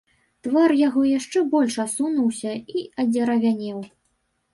Твар яго яшчэ больш асунуўся і адзеравянеў.